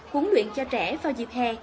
cuốn luyện cho trẻ vào dịp hè